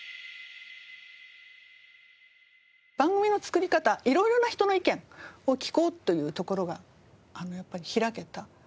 番組の作り方いろいろな人の意見を聞こうというところがやっぱり開けた。